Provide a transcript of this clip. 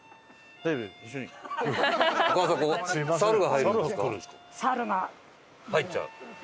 入っちゃう？